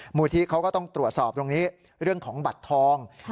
มูลที่เขาก็ต้องตรวจสอบตรงนี้เรื่องของบัตรทอง